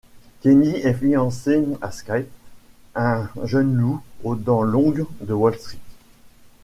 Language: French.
Queenie est fiancée à Skip, un jeune loup aux dents longues de Wall Street.